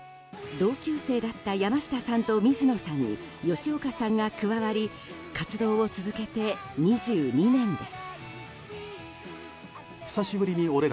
同級生だった山下さんと水野さんに吉岡さんが加わり活動を続けて、２２年です。